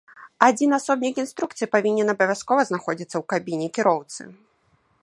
Адзін асобнік інструкцыі павінен абавязкова знаходзіцца ў кабіне кіроўцы.